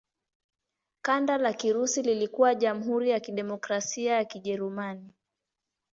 Kanda la Kirusi lilikuwa Jamhuri ya Kidemokrasia ya Kijerumani.